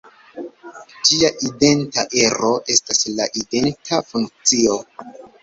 Ĝia identa ero estas la identa funkcio.